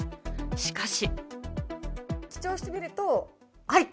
しかし。